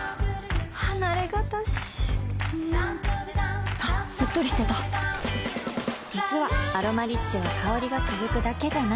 離れがたしんはっうっとりしてた実は「アロマリッチ」は香りが続くだけじゃない